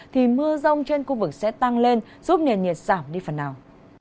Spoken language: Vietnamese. thì mưa rông trên khu vực sẽ tăng lên giúp nền nhiệt giảm đi phần nào